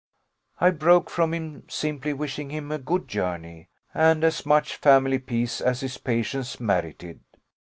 I broke from him, simply wishing him a good journey, and as much family peace as his patience merited.